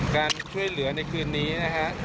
การช่วยเหลือในคืนนี้นะฮะ